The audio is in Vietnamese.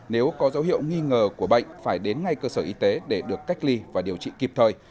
nếu có dấu hiệu nghi ngờ của bệnh phải đến ngay cơ sở y tế để được cách ly và điều trị kịp thời